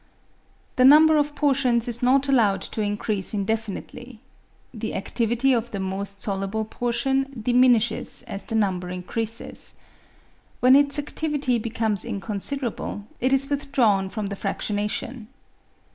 The number of portions is not allowed to increase in definitely. The adtivity of the most soluble portion diminishes as the number increases. When its adtivity be comes inconsiderable, it is withdrawn from the fradtionation.